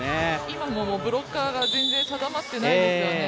今もブロッカーが全然定まってないんですよね。